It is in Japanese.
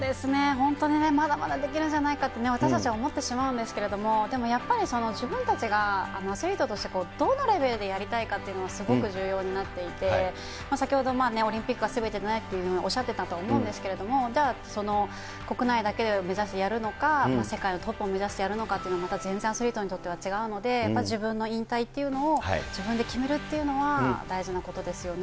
本当にね、まだまだできるんじゃないかって、私たちは思ってしまうんですけれども、でもやっぱり、自分たちがアスリートとしてどのレベルでやりたいかっていうのがすごく重要になっていて、先ほど、オリンピックはすべてじゃないっていうふうにおっしゃってたと思うんですけれども、じゃあ国内だけを目指してやるのか、世界のトップを目指してやるのかっていうのは、また全然アスリートにとっては違うので、自分の引退っていうのを自分で決めるってそうですよね。